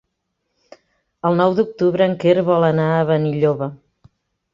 El nou d'octubre en Quer vol anar a Benilloba.